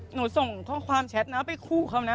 หนูส่งความแชทไปคู่เขานะ